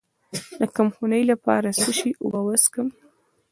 د کمخونۍ لپاره د څه شي اوبه وڅښم؟